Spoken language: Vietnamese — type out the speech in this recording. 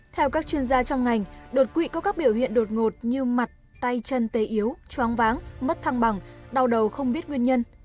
theo các chuyên gia trong ngành đột quỵ có các biểu hiện đột ngột như mặt tay chân tê yếu choáng váng mất thăng bằng đau đầu không biết nguyên nhân